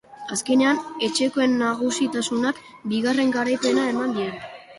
Azkenean, etxekoen nagusitasunak bigarren garaipena eman die.